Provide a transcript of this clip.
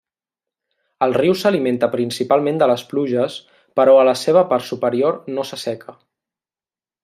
El riu s'alimenta principalment de les pluges però a la seva part superior no s'asseca.